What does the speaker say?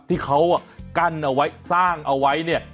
ที่เขากั้นเอาไว้สร้างเอาไว้เนี่ย